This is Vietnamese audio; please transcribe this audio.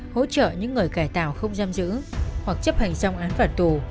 hỗ trợ những người cải tạo không giam giữ hoặc chấp hành xong án phạt tù